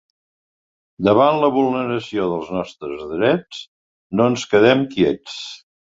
Davant la vulneració dels nostres drets, no ens quedem quiets!